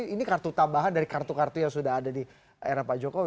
ini kartu tambahan dari kartu kartu yang sudah ada di era pak jokowi